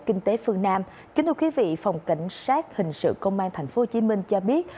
kính thưa quý vị phòng cảnh sát hình sự công an tp hcm cho biết